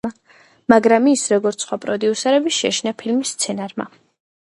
მაგრამ ის, როგორც სხვა პროდიუსერები შეაშინა ფილმის სცენარმა.